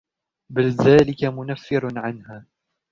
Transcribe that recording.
بَلْ ذَلِكَ مُنَفِّرٌ عَنْهَا